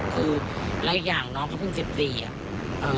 คือแล้วอีกอย่างน้องเขาเพิ่ง๑๔อะ